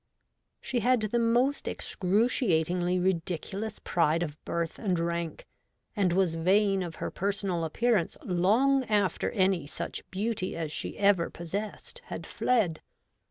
She had the most excruciatingly ridiculous pride of birth and rank, and was vain of her personal appearance long after any such beauty as she ever possessed had fled.